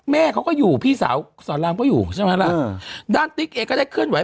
แม่เขาก็อยู่พี่สาวสอนรามก็อยู่ใช่ไหมล่ะด้านติ๊กเองก็ได้เคลื่อนไห